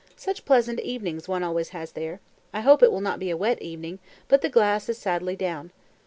"Such pleasant evenings one always has there, I hope it will not be a wet evening, but the glass is sadly down.